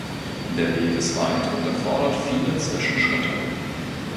Der Weg ist weit und erfordert viele Zwischenschritte.